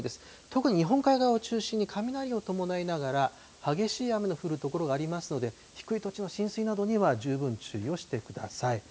特に日本海側を中心に、雷を伴いながら、激しい雨の降る所がありますので、低い土地の浸水などには十分に注意をしてください。